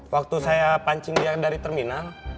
waktu saya pancing dia dari terminal